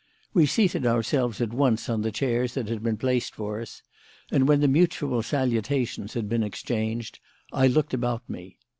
We seated ourselves at once on the chairs that had been placed for us, and, when the mutual salutations had been exchanged, I looked about me.